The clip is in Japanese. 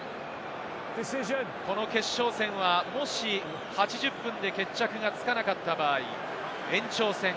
この決勝戦は、もし８０分で決着がつかなかった場合、延長戦。